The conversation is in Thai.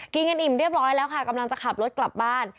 กินกันอิ่มเรียบร้อยแล้วค่ะกำลังจะขับรถกลับบ้าน